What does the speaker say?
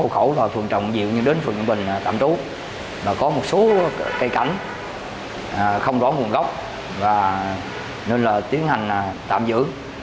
không rõ nguồn gốc và nên là tiến hành tạm giữ